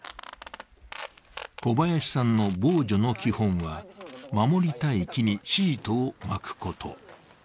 小林さんの防除の基本は、守りたい木にシートを巻くこと。